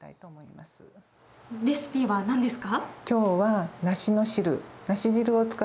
レシピはなんですか。